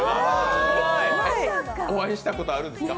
お会いしたことあるんですか？